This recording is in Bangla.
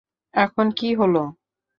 এখন কী হলো?